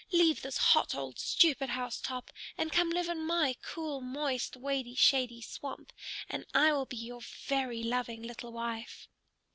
Leave this hot old stupid house top and come live in my cool, moist, wady shady swamp, and I will be your very loving little wife."